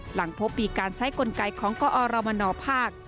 หลังพบมีการใช้กลไกของกอรมนภาค